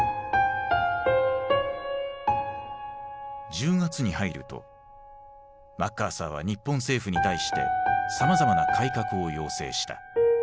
１０月に入るとマッカーサーは日本政府に対してさまざまな改革を要請した。